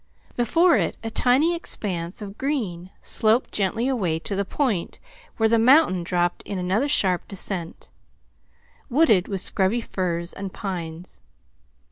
Before it a tiny expanse of green sloped gently away to a point where the mountain dropped in another sharp descent, wooded with scrubby firs and pines.